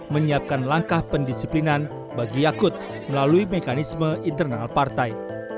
menyiapkan langkah pendisiplinan bagi yakut melalui mekanisme internal partai